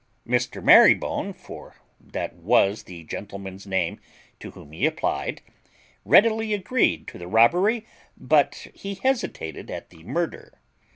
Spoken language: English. Mr. Marybone (for that was the gentleman's name, to whom he applied) readily agreed to the robbery, but he hesitated at the murder.